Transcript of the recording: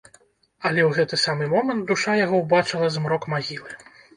Але ў гэты самы момант душа яго ўбачыла змрок магілы.